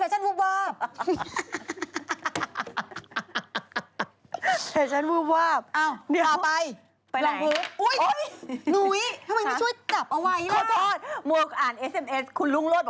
หนูจะคลอดแล้วค่ะคุณลุงโลศ